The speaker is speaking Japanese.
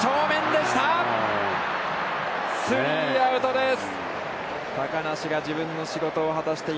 スリーアウトです。